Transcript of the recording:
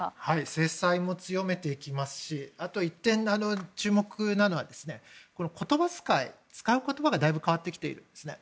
制裁も強めていきますしあと１点、注目なのは言葉遣い、使う言葉がだいぶ変わってきているんですね。